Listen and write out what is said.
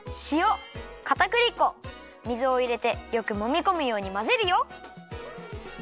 しおかたくり粉水をいれてよくもみこむようにまぜるよ。